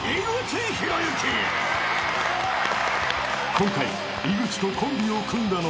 ［今回］